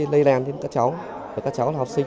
lây lan đến các cháu và các cháu là học sinh